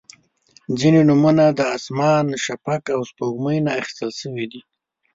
• ځینې نومونه د اسمان، شفق، او سپوږمۍ نه اخیستل شوي دي.